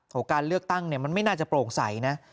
ของการเลือกตั้งมันไม่น่าจะโปร่งใสนะ